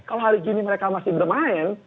kalau hari ini mereka masih bermain